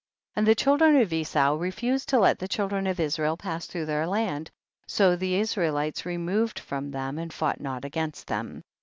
27. And the children of Esau re fused to let the children of Israel pass tlirough their land, so the Is raelites removed from them and fought not against them.